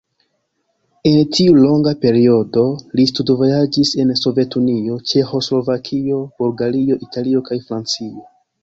En tiu longa periodo li studvojaĝis en Sovetunio, Ĉeĥoslovakio, Bulgario, Italio kaj Francio.